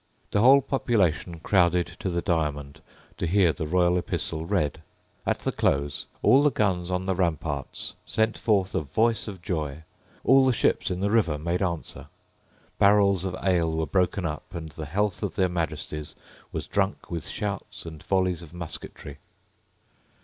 The whole population crowded to the Diamond to hear the royal epistle read. At the close all the guns on the ramparts sent forth a voice of joy: all the ships in the river made answer: barrels of ale were broken up; and the health of their Majesties was drunk with shouts and volleys of musketry.